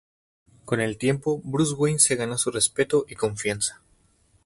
Con el tiempo, Bruce Wayne se ganó su respeto y su confianza.